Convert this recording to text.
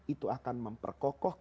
itu akan memperkokoh kita